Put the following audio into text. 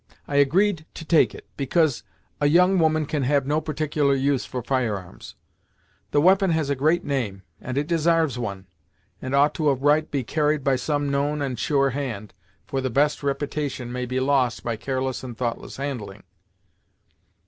"I agreed to take it, because a young woman can have no particular use for firearms. The we'pon has a great name, and it desarves it, and ought of right to be carried by some known and sure hand, for the best repitation may be lost by careless and thoughtless handling."